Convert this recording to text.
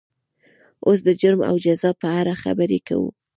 اوس د جرم او جزا په اړه خبرې کوو.